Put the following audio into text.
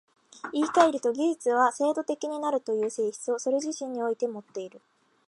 言い換えると、技術は制度的になるという性質をそれ自身においてもっている。